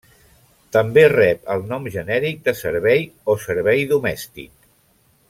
També rep el nom genèric de servei o servei domèstic.